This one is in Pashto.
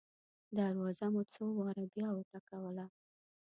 دروازه مو څو واره بیا وټکوله.